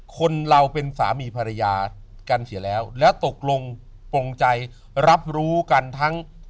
คนเราเป็นสามีภรรยากันเสียแล้วแล้วตกลงปงใจรับรู้กันทั้ง